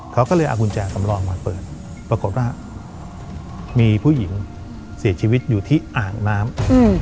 เขาก็เลยเอากุญแจสำรองมาเปิดปรากฏว่ามีผู้หญิงเสียชีวิตอยู่ที่อ่างน้ำ